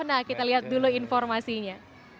nah kita lihat dulu informasinya